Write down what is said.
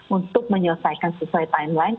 untuk menyelesaikan sesuai timeline